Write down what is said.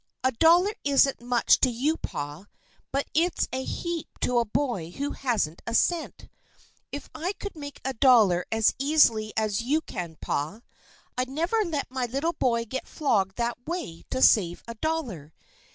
A dollar isn't much to you, pa, but it's a heap to a boy who hasn't a cent. If I could make a dollar as easy as you can, pa, I'd never let my little boy get flogged that way to save a dollar.